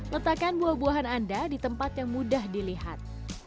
letakkan buah buahan anda di tempat yang mudah dilihat